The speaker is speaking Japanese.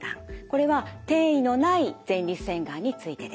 これは転移のない前立腺がんについてです。